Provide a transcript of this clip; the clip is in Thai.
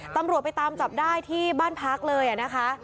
ตำรวจไปตามจับได้ที่บ้านพักเลยนะคะ